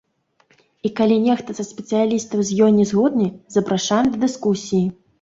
І калі нехта са спецыялістаў з ёй не згодны, запрашаем да дыскусіі.